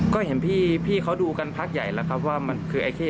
ก็เห็นพี่เขาดูกันพักใหญ่แล้วครับว่ามันคือไอ้เข้